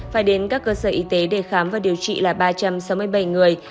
phải đến các cơ sở y tế để khám và điều trị là ba trăm sáu mươi bảy người